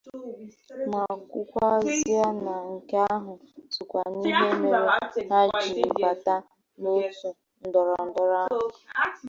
ma kọwakwazie na nke ahụ sokwa n'ihe mere ha jiri bàta n'otu ndọrọndọrọ ahụ